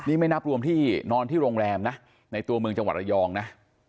นี่ไม่นับรวมที่นอนที่โรงแรมนะในตัวเมืองจังหวัดระยองนะ